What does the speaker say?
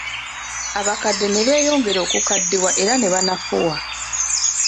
Abakadde ne beyongera okukaddiwa era ne banafuwa.